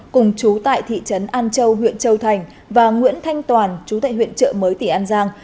cùng chú tại thị trấn an châu huyện châu thành và nguyễn thanh toàn chú tệ huyện trợ mới tỉ an giang